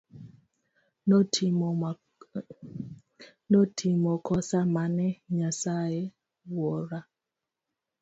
Notimo kosa mane Nyasaye Wuora.